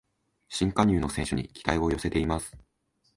新加入の選手に期待を寄せています